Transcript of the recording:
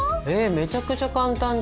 めちゃくちゃ簡単じゃん。